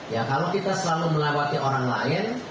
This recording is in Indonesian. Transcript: ya kalau kita selalu melewati orang lain